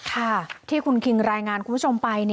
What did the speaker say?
ค่ะที่คุณคิงรายงานคุณผู้ชมไป